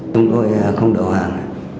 chúng tôi không đầu hàng